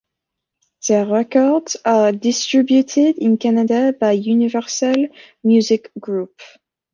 Their records are distributed in Canada by Universal Music Group.